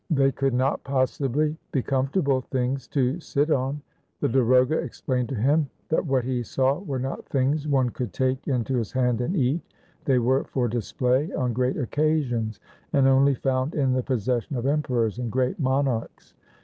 They could not possibly be comfortable things to sit on. The darogha explained to him, that what he saw were not things one could take into his hand and eat. They were for display on great occasions, and only found in the possession of emperors and great monarchs.